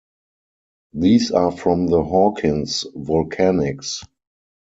These are from the Hawkins Volcanics.